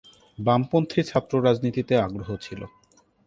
বামপন্থী ছাত্র রাজনীতিতে আগ্রহ ছিল।